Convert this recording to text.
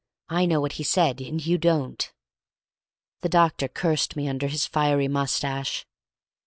I know what he said, and you don't." The doctor cursed me under his fiery moustache.